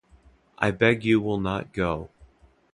I beg you will not go.